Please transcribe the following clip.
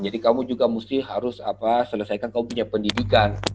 kamu juga mesti harus selesaikan kamu punya pendidikan